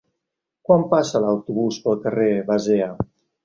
Quan passa l'autobús pel carrer Basea?